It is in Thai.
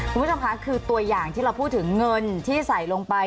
คุณผู้ชมค่ะคือตัวอย่างที่เราพูดถึงเงินที่ใส่ลงไป